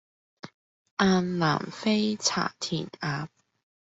雁南飛茶田鴨